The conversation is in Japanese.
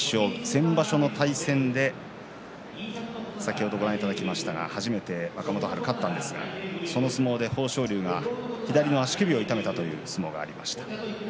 先場所の対戦で初めて若元春、勝ったんですがその相撲で豊昇龍が左の足首を痛めたという相撲がありました。